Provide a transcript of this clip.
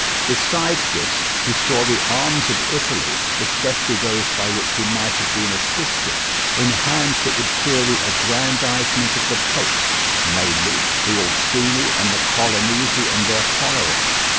Besides this, he saw the arms of Italy, especially those by which he might have been assisted, in hands that would fear the aggrandizement of the Pope, namely, the Orsini and the Colonnesi and their following.